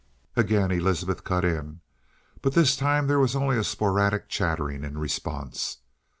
Again Elizabeth cut in. But this time there was only a sporadic chattering in response.